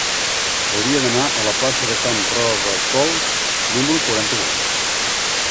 Hauria d'anar a la plaça de Can Robacols número quaranta-vuit.